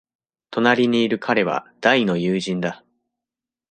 隣にいる彼は大の友人だ。